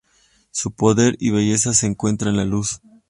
Su poder y belleza se encuentra en la luz.